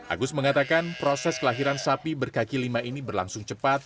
agus mengatakan proses kelahiran sapi berkaki lima ini berlangsung cepat